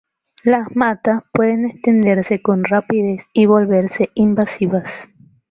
Las matas pueden extenderse con rapidez y volverse invasivas.